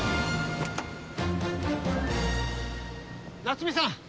夏美さん！